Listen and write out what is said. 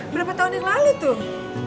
berapa tahun yang lalu tuh